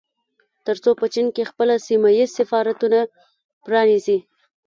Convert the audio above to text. ترڅو په چين کې خپل سيمه ييز سفارتونه پرانيزي